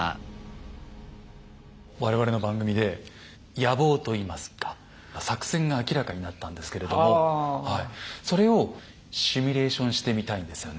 我々の番組で野望といいますか作戦が明らかになったんですけれどもそれをシミュレーションしてみたいんですよね。